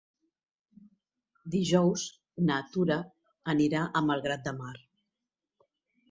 Dijous na Tura anirà a Malgrat de Mar.